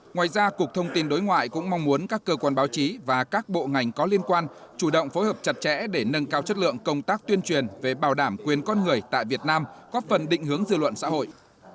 ngoài ra cục thông tin đối ngoại cũng mong muốn các cơ quan báo chí và các bộ ngành có liên quan chủ động phối hợp chặt chẽ để nâng cao chất lượng công tác tuyên truyền về bảo đảm quyền con người tại việt nam có phần định hướng dư luận xã hội